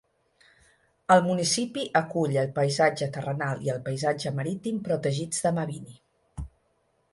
El municipi acull el paisatge terrenal i el paisatge marítim protegits de Mabini.